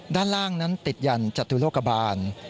ด้านล่างนั้นติดยันจตุโลกบาล